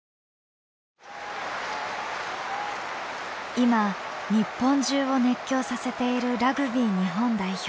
今日本中を熱狂させているラグビー日本代表。